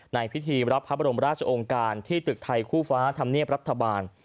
ในพิธีรับพระบรมราชองค์การที่ตึกไทยคู่ฟ้าธรรมเนียบรัฐบาล